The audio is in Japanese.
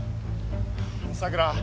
さくら